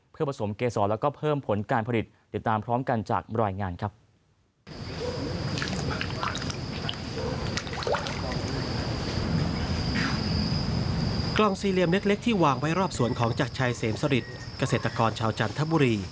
เพื่อผสมเกษรแล้วก็เพิ่มผลการผลิตติดตามพร้อมกันจากรายงานครับ